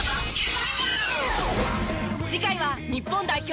次回は日本代表